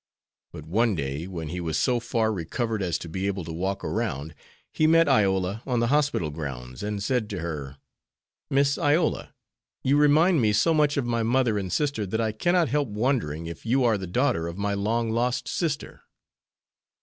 But one day, when he was so far recovered as to be able to walk around, he met Iola on the hospital grounds, and said to her: "Miss Iola, you remind me so much of my mother and sister that I cannot help wondering if you are the daughter of my long lost sister."